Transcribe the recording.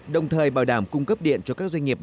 đồng thời bảo đảm cung cấp điện cho các doanh nghiệp